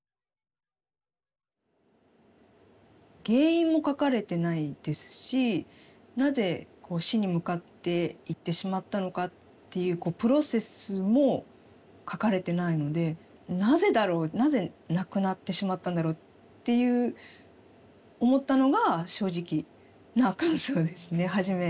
原因も書かれてないですしなぜ死に向かっていってしまったのかっていうプロセスも書かれてないのでなぜだろうなぜ亡くなってしまったんだろうっていう思ったのが正直な感想ですね。